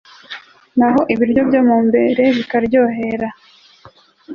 naho ibiryo byo mu mbere bikaryohera